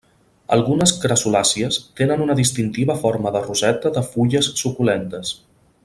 Algunes crassulàcies tenen una distintiva forma de roseta de fulles suculentes.